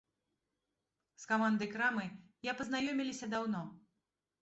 З камандай крамы я пазнаёміліся даўно.